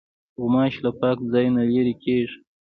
غوماشې له پاک ځای نه لیري کېږي.